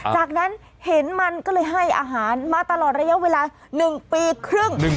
จากนั้นเห็นมันก็เลยให้อาหารมาตลอดระยะเวลา๑ปีครึ่ง